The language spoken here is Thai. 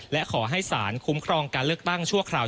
และขอให้สารคุ้มครองการเลือกตั้งชั่วคราว